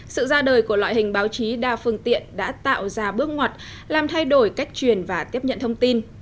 sự ra đời của loại hình báo chí đa phương tiện đã tạo ra bước ngoặt làm thay đổi cách truyền và tiếp nhận thông tin